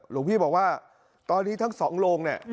หลวงพี่บอกว่าตอนนี้ทั้งสองโรงเนี่ย